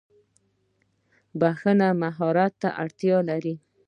• بښل مهارت ته اړتیا لري.